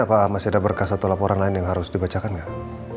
apakah masih ada berkas atau laporan lain yang harus dibacakan nggak